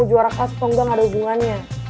kamu juara kelas kok gak ada hubungannya